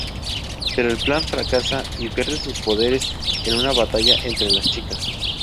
Pero el plan fracasa y pierde sus poderes en una batalla entre las chicas.